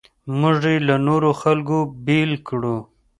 موږ یې له نورو خلکو بېل کړو.